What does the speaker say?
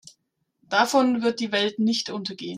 Davon wird die Welt nicht untergehen.